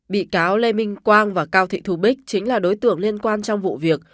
bị cáo lê minh quang và cao thị thù bích chính là đối tượng liên quan trong vụ việc